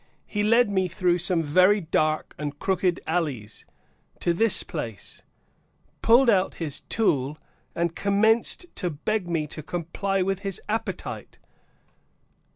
He led me through some very dark and crooked alleys, to this place, pulled out his tool, and commenced to beg me to comply with his appetite.